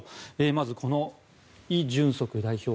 まず、イ・ジュンソク代表。